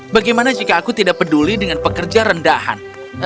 bagaimana jika aku tidak peduli dengan pekerja rendahan